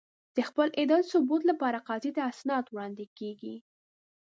د خپلې ادعا د ثبوت لپاره قاضي ته اسناد وړاندې کېږي.